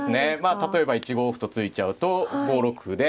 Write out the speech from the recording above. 例えば１五歩と突いちゃうと５六歩で。